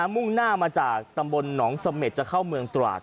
มุ่งหน้ามาจากตำบลหนองเสม็ดจะเข้าเมืองตราด